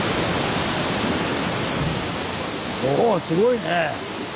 おすごいね。